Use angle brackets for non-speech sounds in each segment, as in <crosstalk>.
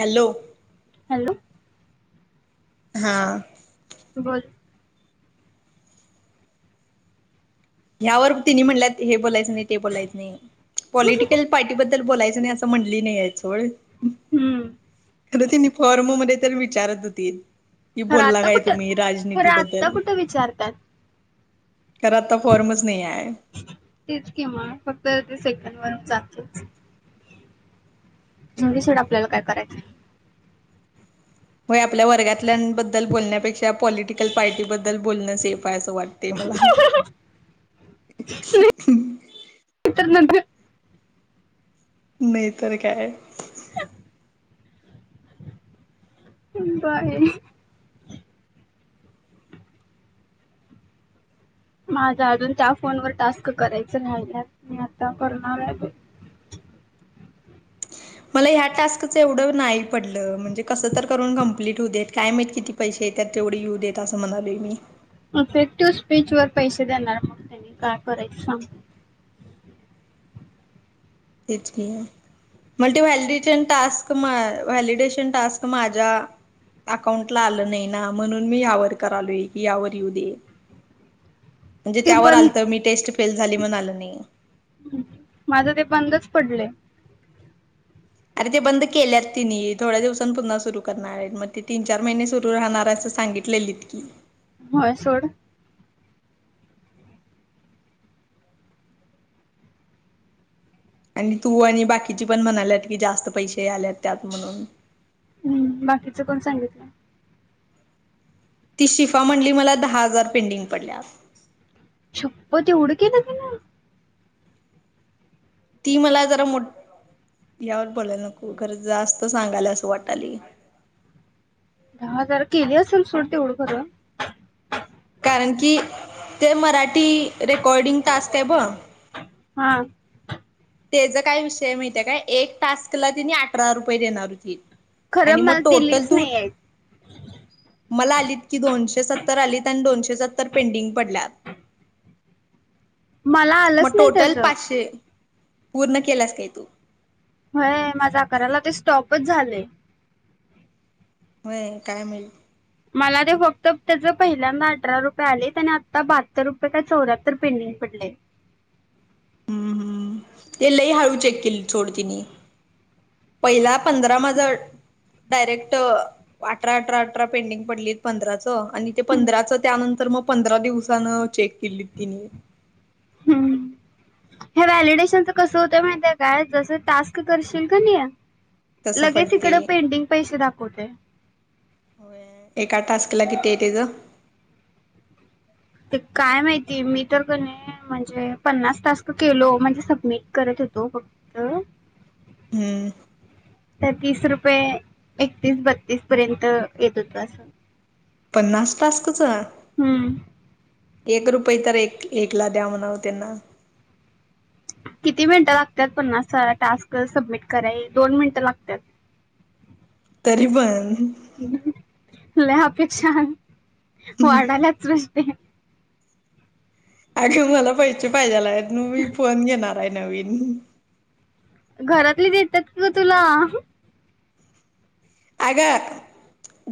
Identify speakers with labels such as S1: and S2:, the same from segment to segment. S1: Hello!
S2: Hello!
S1: हा.
S2: तू बोल
S1: यावर तिनी म्हणल्यात हे बोलायचं नाही ते बोलायचं नाही पॉलिटिकल
S2: हम्म
S1: पा र्टी बद्दल बोलायचं नाही असं म्हणली नाहीयेत सोड खरं तेनी फॉर्ममध्ये तर विचारत होती, कि
S2: खरं
S1: बोला
S2: आता
S1: काय
S2: कुठं
S1: तुम्ही
S2: खरं
S1: राजनीती बद्दल.
S2: आत्ता कुठं विचारतात
S1: खर आता फॉर्मच नाही आहे.
S2: तेच कि म फक्त ते सेकंड वर जातयच. राहुदे सोड
S1: होय.
S2: आपल्याला काय कराय
S1: होय आपल्या वर्गातल्यांबद्दल बोलण्यापेक्षा पॉलिटिकल पार्टीबद्दल बोलणं सेफ आहे असं वाट ते मला <unintelligible>
S2: एक तर नंतर
S1: नाही तर काय
S2: <unintelligible> बाई माझ आजून त्या फोनवर टास्क करायचं राहिल्यात, मी आता करणार आहे बाई.
S1: मला ह्या टास्कच एवढं नाही पडलं म्हणजे कसं तर करून कम्प्लीट होऊ देत काय माहीत किती पैसेे येत्यात तेवढ येऊ देत असं म्हणालोय मी.
S2: इफेक्टिव्ह स्पीच वर पैसे देणार मग त्यांनी काय करायच सांग?
S1: तेच की मला ते व्हॅलिडेशन टास्क व्हॅलिडेशन टास्क माझ्या अकाउंट ला आलं नाही ना म्हणून मी यावर करालोय की यावर येऊदे. म्हणजे
S2: ते
S1: त्यावर आलत
S2: बंद
S1: मी टेस्ट फेल झाली म्हणून आल नाही.
S2: माझं ते बंदच पडलंय.
S1: आरे ते बंद केल्यात तेनी थोड्या दिवसांन पुन्हा सुरू करणार आहेत मग ते तीन चार महिने सुरू राहणार असं सांगित लेलीत की.
S2: होय सोड.
S1: आणि तू आणि बाकीची पण म्हणाल्यात की जास्त पैसे याल्यात त्यात म्हणून.
S2: हम्म, बाकीच कोण सांगितलं?
S1: ती शिफा म्हटली मला दहा हजार पेंडिंग पडल्यात.
S2: शपथ एवढं केलं तिन?
S1: ती मला जरा मो यावर बोलायला नको खरं जास्त सांगाला आसं वाटालय.
S2: दहा हजार केली आसल सोड तेवढं खरं
S1: कारण की ते मराठी रेकॉर्डिंग टाॅस्क आहे ब
S2: हा.
S1: तेज काय विषय आहं माहिती आहे काय एक टाॅस्कला तेनी अठरा रुपये देणार होतीत आणि
S2: खरं मला
S1: मग टोटल
S2: दिलीच
S1: तू
S2: नाही आहेत
S1: मला आलीत की दोनशे सत्तर आलीत आणि दोनशे सत्तर पेंडिंग पडल्यात.
S2: मला आलंच
S1: मग
S2: नाही
S1: टोटल
S2: त्याच
S1: पाचशे, पूर्ण केल्यास काय तू?
S2: होय माझं आकराला ते स्टॉपच झालंय.
S1: व्हय काय माहित?
S2: मला ते फक्त त्याचं पहिल्यांदा अठरा रुपये आले आणि आत्ता बहात्तर रुपये काय चौदा्यात्तर पेंडिंग पडलंय बघ
S1: हम्म हम्म ते लई हळू चेक केलीत सोड त्यांनी पहिला पंधरा माझं डायरेक्ट अठरा अठरा अठरा पेंडिंग पडली पंधराचं आणि ते पंधराचं त्यानंतर मग पंधरा दिवसान चेक केलीत तिन्ही <unintelligible>
S2: हे व्हॅलिडेशनच कसं होत माहितीे काय जसं टास्क करशील कणी
S1: तसं
S2: लगेच
S1: पडते.
S2: इकड पेंडीग पैसे दाखवतंय
S1: एका टास्कला किती आहेे तेच
S2: ते काय माहिती मी तर केलो म्हणजे पन्नास तास केलो म्हणजे सबमिट करत होेतो फक्त ह्म <unintelligible>
S1: हम्म
S2: तर तीस रुपये एकतीस बत्तीस पर्यंत येत होतो असं-‌-
S1: पन्नास टास्कचं?
S2: हम्म
S1: एक रुपये तर एक एकला द्या म्हणाव त्यांना
S2: किती मिनिटं लागतात पन्नास सा टास्क सबमिट करा दोन मिनिटं लागतात
S1: तरी पण
S2: लई अपेक्षा ह् वाढाल्यात सुष्टी
S1: अगं मला पैसे पाहिजेल आहे मी फोन घेणार आहे नवीन
S2: घरातली देतात की ग तुला
S1: अगं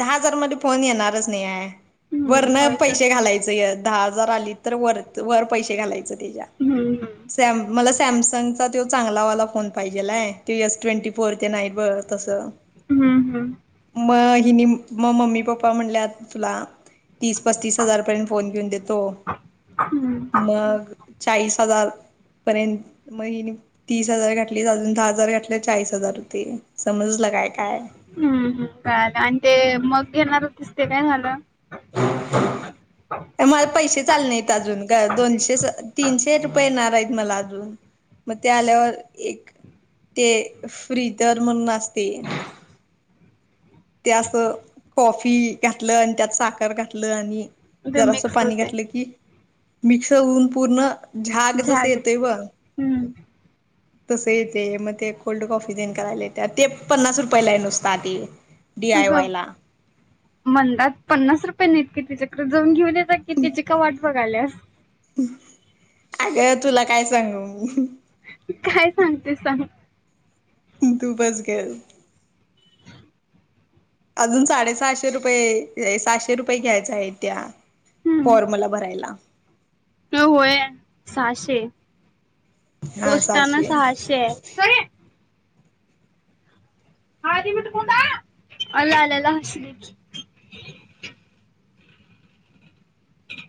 S1: दहा हजार मध्ये फोन येणारच नाही आहे,
S2: हम्म,
S1: वरन
S2: होय तर
S1: पैसे घालायचं दहा हजार आली तर वर वर पैसे घालायचं तेच्या
S2: हम् ह
S1: सॅम मला सॅमसंगचा तो चांगला वाला फोन पाहिजेलाय त एस ट्वेंटी फोर तेण आहेत बघं तसं
S2: हम्म हम्म
S1: म हिनी मग मम्मी पप्पा म्हणल्यात तुला तीस पस्तीस हजार पर्यंत फोन घेऊन देतो
S2: हम्म,
S1: मग चाळीस हजार पर्यंत मी हेणी तीस हजार घातली अजून दहा हजार घातले चाळीस हजार होते समजलं काय काय
S2: हम्म हम कळालं आणि ते मग घेणार होतीस ते काय झालं
S1: <unintelligible> मला पैसेच आलं नाहीत अजून ग दोनशे तीनशे रुपये येणार आहेत मला अजून मग ते आल्यावर एक ते फ्रीदर म्हणून असतयं ते असं कॉफी घातलं आणि त्यात साखर घातलं आणि
S2: ते
S1: जरासं
S2: मिक्स
S1: पाणी
S2: होते
S1: घातलं की मिक्स होऊन पूर्ण झाक जसं
S2: झाले
S1: येतंय बघं तसं येतंय मग ते कोल्ड कॉफी तेण करायला यतीया पन्नास रुपयाला आहे नुसता ते डी आय वाय ला
S2: मणंदात पन्नास रुपये नाहीत कि तिच्याकडे जाऊन घेऊन येत की तिची का वाट बघालीयास.
S1: अगं तुला काय सांगु मी
S2: काय सांगतेस सांग
S1: तू बस ग अजून साडेसहाशे रुपये सहाशे रुपये घ्यायचा आहे त्या फॉर्मला भरायला.
S2: त होय सहाशे पोस्टानं सहाशे आहे सरी बारी बीट पुन्हा <unintelligible> आल्याले असतंय की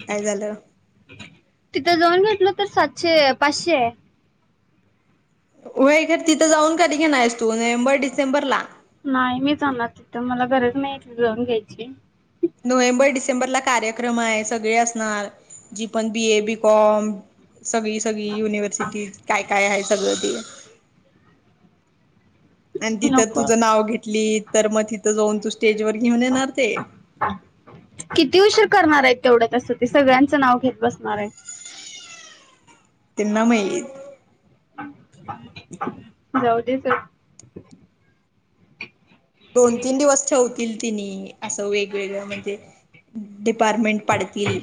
S1: काय झालं?
S2: तिथं जाऊन घेतल तर सातशे पाचशे आहे
S1: होय खर तिथं जाऊन कधी घेणार आहेस तू नोव्हेंबर डिसेंबर ला
S2: नाही मी जाणार तिथं मला गरज नाही तिथं जाऊन घ्यायची.
S1: नोव्हेंबर डिसेंबरला कार्यक्रम आहे सगळे असणार जी पण बी. ए, बी. कॉम. सगळी सगळी युनिव्हर्सिटीत काय काय आहे सगळं ते आणि तिथं
S2: नको
S1: तुझं नाव घेतलीत तर मग तिथं जाऊन तू स्टेज वर घेऊन येणार ते
S2: किती उशीर करणार आहेत तेवढं तस ते सगळ्यांचं नाव घेत बसणार आहेत.
S1: त्यना माहित
S2: जाऊ दे सोड.
S1: दोन तीन दिवस ठेव. तील तेनी असं वेगवेगळं म्हणजे डिपारमेंट पाडतील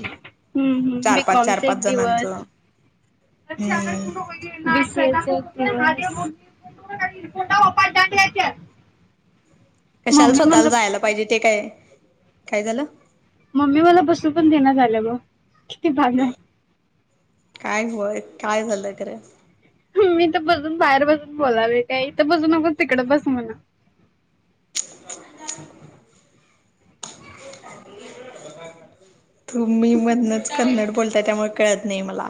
S2: हम्म हम्म
S1: चार-पाच, चार-
S2: बीकॉमचा
S1: पाच जणांच.
S2: लक्षी आकाड कुठं होई. <unintelligible>
S1: कशाला स्वतःला जायाला पाहिजे ते काय काय झालं?
S2: मम्मी मला बसून पण दिना झाल्या बघ किती बाद आहे.
S1: काय होय काय झालं खरं?
S2: मी इथं बसून बाहेर बसून बोलालोय काय इथं बसू नको, तिकडं बस म्हण.
S1: <unintelligible> तुम्ही मधनंच कन्नड बोलताय त्यामुळं कळत नाही मला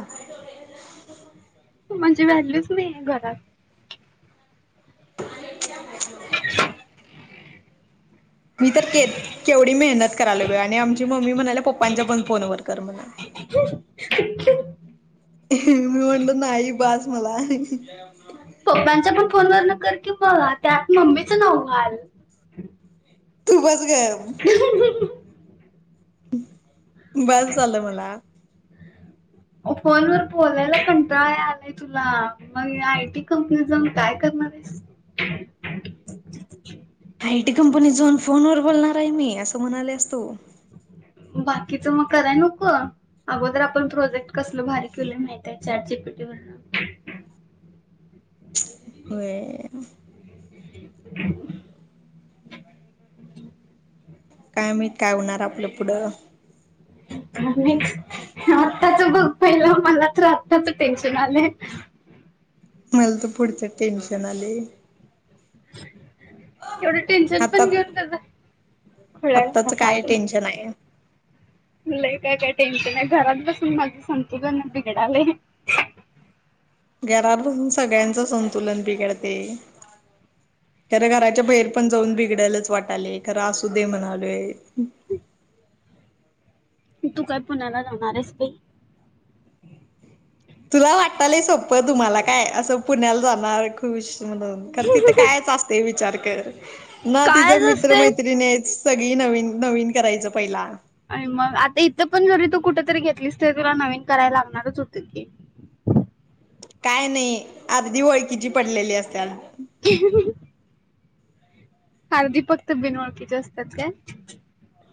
S2: म्हणजे व्हॅल्यूच नाहीे घरात <unintelligible>
S1: मी तर के केवढी मेहनत करालोय बाई आणि आमची मम्मी म्हणालया पप्पांच्या पण फोनवर कर म्हण.
S2: <unintelligible>
S1: मी म्हटलं नाही बास मला
S2: पप्पांच्या पण फोनवरनं कर की मग त्यात मम्मीचं नाव घाल.
S1: तू बस गप.
S2: <unintelligible>
S1: बास झालं मला
S2: फोन वर बोलायला कंटाळा यालाय तुला मग आयटी कंपनीत जाऊन. काय करणार आहेस?
S1: आय टी कंपनी जाऊन फोन वर बोलणार आहे मी असं म्हणालयास तू
S2: बाकीचं मग कराय नको. अगोदर आपण प्रोजेक्ट कसलं भारी केलोय माहिताय चाट जी पी टी वरनं.
S1: <unintelligible> होय. काय माहीत काय होणार आपलं पुढं.
S2: हा नाहीच. आत्ताच बघ पहिलं मला तर आत्ताच टेन्शन आलंय.
S1: मला तर पुढचं टेन्शन आलंय.
S2: एवढं टेन्शन
S1: आता
S2: पण घेऊन कसं. खुळ्यागत
S1: आत्ताच काय
S2: हसालय.
S1: टेन्शन आहे.
S2: लय काय काय टेन्शन आहे घरात बसून माझं संतुलनच बिघडालय.
S1: घरात बसून सगळ्यांच संतुलन बिघडते. खरं घराच्या बाहेर पण जाऊन बिघडलंच वाटालय खरं असू दे म्हणालोय.
S2: तू काय पुण्याला जाणार आहेस ते
S1: तुला वाटतलय सोप्पं तुम्हाला काय असं पुण्याला जाणार खूश म्हणून तिथं कायच असते विचार कर ना
S2: कायच
S1: तिचं मित्र
S2: असते
S1: मैत्रिणीच कधी नवीन नवीन करायचं पहिला.
S2: आणि मग आता इथं पण जरी तू कुठ तरी घेतलीस तरी तुला नवीन करायला लागणारच होती की
S1: काय नाही अगदी ओळखीची पडलेली असत्याला.
S2: <unintelligible> आरधी फक्त बिनओळखीची असतात काय?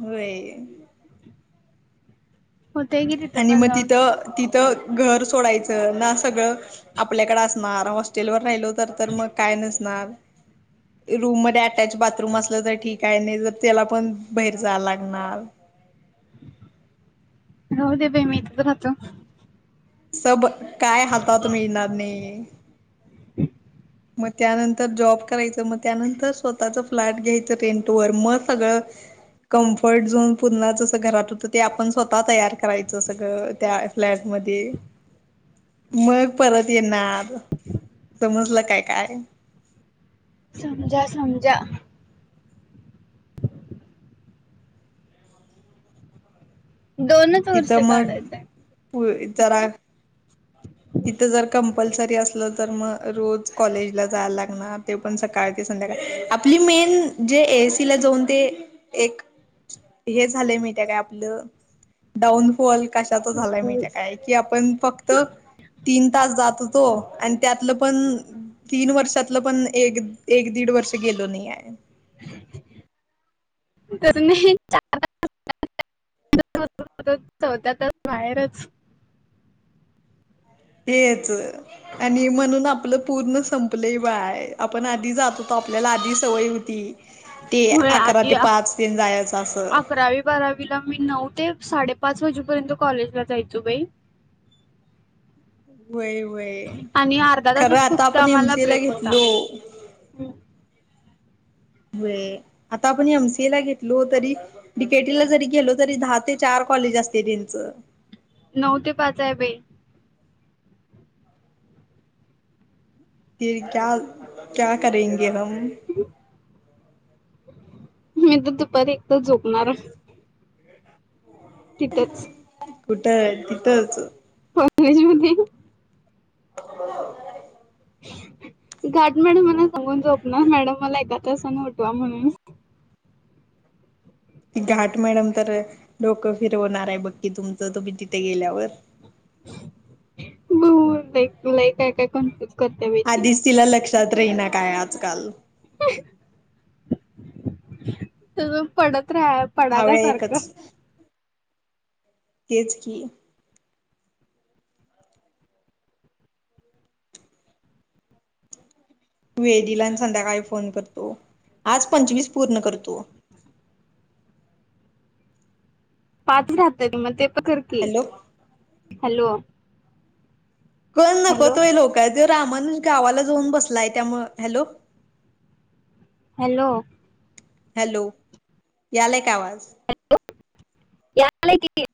S1: होय
S2: होतय कि तिथ
S1: आणि मग तिथं ती तर घर सोडायचं ना सगळं आपल्याकडे असणार हॉस्टेलवर राहिलो तर तर मग काय नसणार रूम मध्ये अटॅच बाथरूम असलं तर ठीक आहे नाही तर त्याला पण बाहेर जायला लागणार
S2: राहु दे बाई मी इथच राहतो
S1: सब काय हातात मिळणार नाही
S2: <inaudible>
S1: मग त्यानंतर जॉब करायचं मग त्यानंतर स्वतःच फ्लॅट घ्यायचं रेंट वर मग सगळं कम्फर्ट झोन पुन्हा जसं घरात होतं ते आपण स्वतः तयार करायचं सगळं त्या फ्लॅट मध्ये मग परत येणार समजलं काय काय
S2: समजा समजा दोनच वर्ष
S1: तिथं मग
S2: काढायचंय
S1: पु जरा तिथं जर कंपल्सरी असलं तर मग रोज कॉलेजला जायला लागणार ते पण सकाळ ते संध्याकाळ आपली मेन जे ए. एस. सी ला जाऊन ते एक हे झालंय माहितीये का आपलं डाऊनफॉल कशाचा झालाय माहिती आहे काय आपण फक्त त तीन तास जात होतो आणि त्यातलं पण तीन वर्षातलं पण एक एक दीड वर्ष गेलो नाहीये
S2: तसं नाही चार <unintelligible> चौथ्या तास बाहेरच
S1: तेच आणि म्हणून आपलं पूर्ण संपलंय बाय आपण आधी जात होतो आपल्याला आधी सवय होती ते
S2: होय
S1: अकरा
S2: आधी
S1: ते
S2: आ-
S1: पाच तेन जायचं असं
S2: अकरावी बारावीला मी नऊ ते साडेपाच वाजेपर्यंत कॉलेजला जायचो बाई
S1: <inaudible> व्हय व्हय
S2: आणि अर्धा
S1: खरं
S2: तासच
S1: आता
S2: फक्त
S1: आपण
S2: आम्हाला
S1: एमसीए ला
S2: ब्रेक होता
S1: घेतलो होय आता आपण एमसीए ला घेतलो तरी डीकेटीला जरी गेलो तरी दहा ते चार कॉलेज असतय त्यांचं
S2: नऊ ते पाच हाय बाई
S1: फिर क्या क्या करेगे हम
S2: मी तर दुपारी एक तास झोपणार तिथंच
S1: कुठं तिथंच
S2: कॉलेजमध्ये
S1: <unintelligible>
S2: घाट मॅडम ना सांगून झोपनार मॅडम मला एका तासन उठवा म्हणून
S1: घाट मॅडम तर अ डोकं फिरवणार आहे बघकी तुमचं तुम्ही तिथ गेल्यावर
S2: <unintelligible> लय काय काय कन्फ्युज करते बाई ती
S1: आधीच तिला लक्षात राहीना काय आजकाल
S2: तसंच पडत रहा
S1: दहा वेळा एकच तेच की वेदीला आणि संध्याकाळी फोन करतो. आज पंचवीस पूर्ण करतो.
S2: पाच राहत्यात मग ते पण कर की
S1: हॅलो
S2: हॅलो
S1: कल
S2: हॅलो
S1: नकोत व्हय लोक तो रामानन गावाला जाऊन बसलाय त्यामूळ हॅलो
S2: हॅलो
S1: हॅलो यालाय का आवाज
S2: यालाय की <inaudible>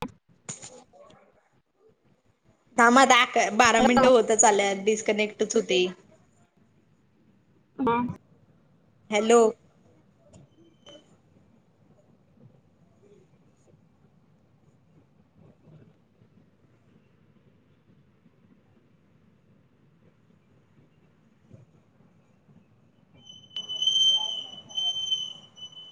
S1: थांब आता आक बारा
S2: हॅलो
S1: मिनटं होतच आल्यात डिस्कनेक्टच होतय.
S2: हा
S1: हॅलो